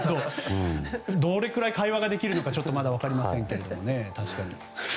どれくらい会話ができるのかまだちょっと分かりませんけれどもね。